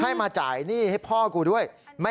ให้มาจ่ายหนี้ให้พ่อกูด้วย